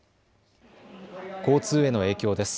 交通への影響です。